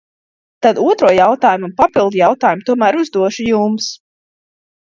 Tad otro jautājumu un papildjautājumu tomēr uzdošu jums.